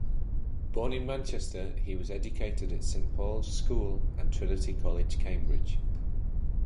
Born in Manchester, he was educated at Saint Paul's School and Trinity College, Cambridge.